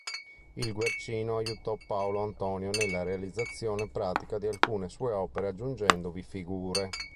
Il Guercino aiutò Paolo Antonio nella realizzazione pratica di alcune sue opere, aggiungendovi figure.